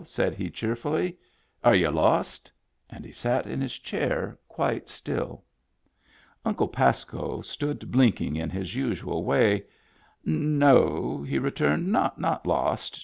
said he cheer fully. " Are y'u lost ?" And he sat in his chair quite still. Uncle Pasco stood blinking in his usual way. " No," he returned. " Not lost.